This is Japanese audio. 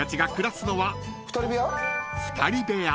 ２人部屋？